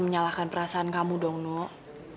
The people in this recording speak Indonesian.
menyalahkan perasaan kamu dong nuk